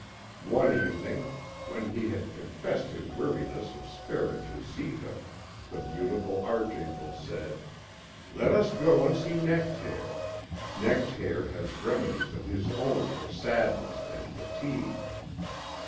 One evening, when he had confessed his weariness of spirit to Zita, the beautiful archangel said: "Let us go and see Nectaire; Nectaire has remedies of his own for sadness and fatigue."